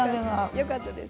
よかったです。